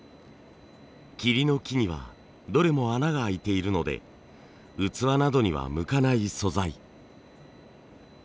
桐の木にはどれも穴が開いてるので器などには向かない素材。